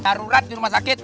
darurat rumah sakit